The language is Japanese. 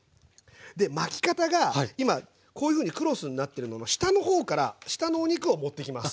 で巻き方が今こういうふうにクロスになってるのの下の方から下のお肉を持ってきます。